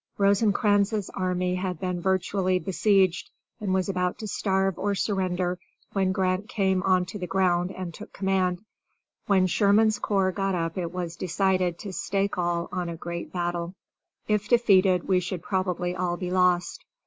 Rosecran's army had been virtually besieged, and was about to starve or surrender when Grant came on to the ground and took command. When Sherman's corps got up it was decided to stake all on a great battle. If defeated, we should probably all be lost.